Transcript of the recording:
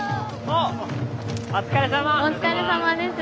お疲れさまです。